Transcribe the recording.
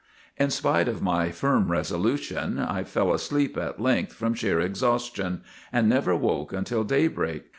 ' In spite of my firm resolution, I fell asleep at length from sheer exhaustion, and never woke until daybreak.